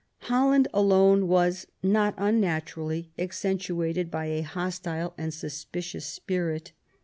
Holland alone was, not unnaturally, actuated by a hostile and suspicious spirit.